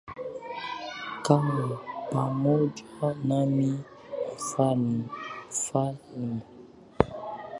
Kaa pamoja nami mfalme